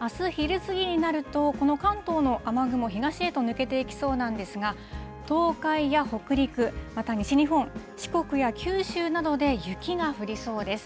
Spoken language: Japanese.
あす昼過ぎになると、この関東の雨雲、東へと抜けていきそうなんですが、東海や北陸、また西日本、四国や九州などで雪が降りそうです。